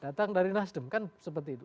datang dari nasdem kan seperti itu